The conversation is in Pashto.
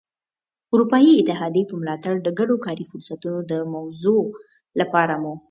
د اروپايي اتحادیې په ملاتړ د ګډو کاري فرصتونو د موضوع لپاره مو.